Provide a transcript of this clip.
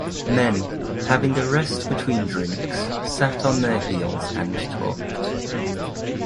Men, having a rest between drinks, sat on their heels and talked.